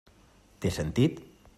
Té sentit.